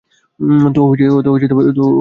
তো তুই কি করছিস?